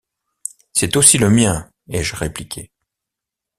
C’est aussi le mien, ai-je répliqué.